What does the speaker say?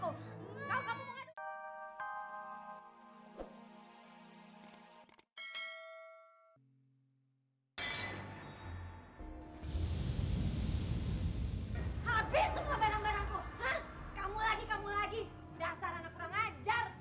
hai habis semua barang barang kamu lagi kamu lagi dasar anak kurang ajar